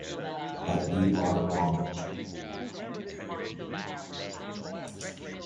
But you are wrong.